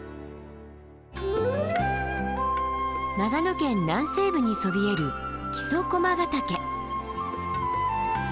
長野県南西部にそびえる木曽駒ヶ岳。